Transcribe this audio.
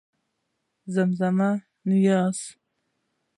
زمزمه نيازۍ